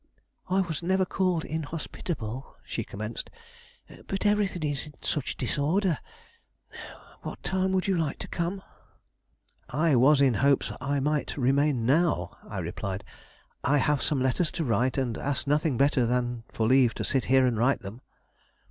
"I was never called inhospitable," she commenced; "but everything in such disorder. What time would you like to come?" "I was in hopes I might remain now," I replied; "I have some letters to write, and ask nothing better than for leave to sit here and write them."